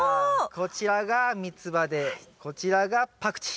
こちらがミツバでこちらがパクチー。